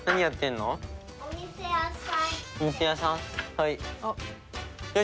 はい？